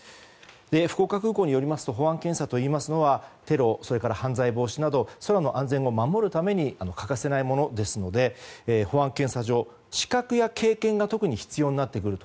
福岡空港によりますと保安検査というのはテロ、それから犯罪防止など空の安全を守るために欠かせないものですので保安検査場、資格や経験が必要になってくると。